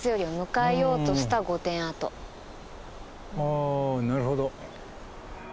あなるほど。